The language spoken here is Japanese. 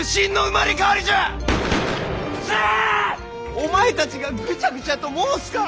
お前たちがぐちゃぐちゃと申すから！